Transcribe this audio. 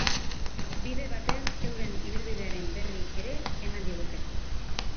Bide batez, euren ibilbidearen berri ere eman digute.